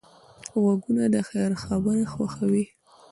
غوږونه د خیر خبره خوښوي